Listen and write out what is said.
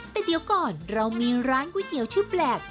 แต่เดี๋ยวก่อนเรามีร้านก๋วยเตี๋ยวชื่อแปลก